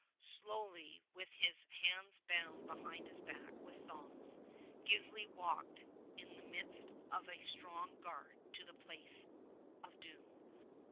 Slowly, and with his hands bound behind his back with thongs, Gisli walked in the midst of a strong guard to the place of doom.